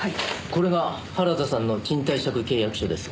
これが原田さんの賃貸借契約書です。